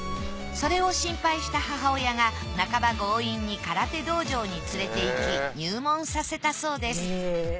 それを心配した母親がなかば強引に空手道場に連れていき入門させたそうです。